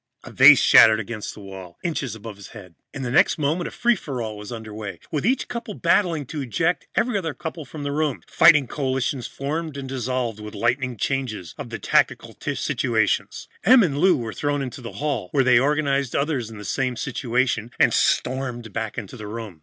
A vase shattered against the wall, inches above his head. In the next moment, a free for all was under way, with each couple battling to eject every other couple from the room. Fighting coalitions formed and dissolved with the lightning changes of the tactical situation. Em and Lou were thrown into the hall, where they organized others in the same situation, and stormed back into the room.